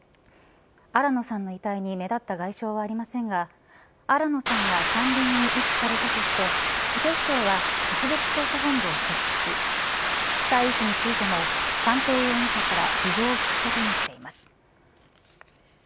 新野さんの遺体に目立った外傷はありませんが新野さんが山林に遺棄されたとして警視庁は特別捜査本部を設置し死体遺棄についても三瓶容疑者から事情を聴くことにしています。